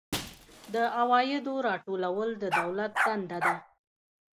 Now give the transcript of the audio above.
د عوایدو راټولول د دولت دنده ده